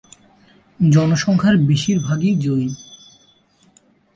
জনসংখ্যার বেশিরভাগই জৈন।